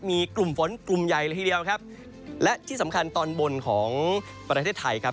มีกลุ่มฝนกลุ่มใหญ่เลยทีเดียวครับและที่สำคัญตอนบนของประเทศไทยครับ